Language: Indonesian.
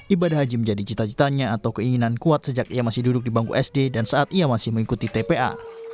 ibadah haji menjadi cita citanya atau keinginan kuat sejak ia masih duduk di bangku sd dan saat ia masih mengikuti tpa